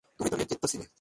তুমি তো নেতৃত্বে ছিলে।